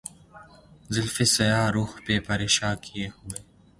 زلفِ سیاہ رُخ پہ پریشاں کیے ہوئے